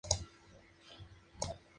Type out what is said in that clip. Varias especies son cultivadas en acuarios.